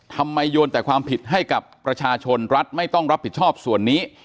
โยนแต่ความผิดให้กับประชาชนรัฐไม่ต้องรับผิดชอบส่วนนี้